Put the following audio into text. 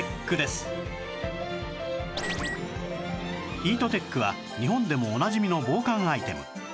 ヒートテックは日本でもおなじみの防寒アイテム